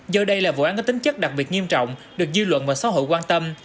giờ đây là vụ án có tính chất đặc biệt nghiêm trọng được dư luận và xã hội quan tâm